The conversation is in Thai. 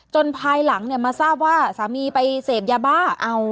จนภายหลังมาทราบว่าสามีไปเสพยาบ้า